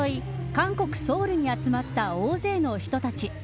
韓国、ソウルに集まった大勢の人たち。